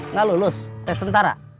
nggak lulus tes tentara